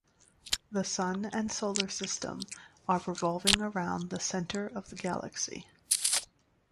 The Sun and Solar System are revolving around the center of the Galaxy.